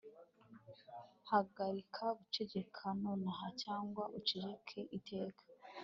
Hagarika guceceka nonaha cyangwa uceceke iteka